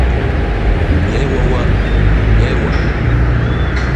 Неуэ уэ, неуэ.